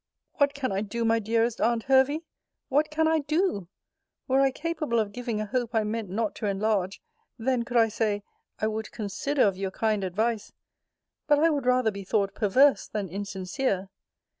What can I do, my dearest Aunt Hervey? What can I do? Were I capable of giving a hope I meant not to enlarge, then could I say, I would consider of your kind advice. But I would rather be thought perverse than insincere.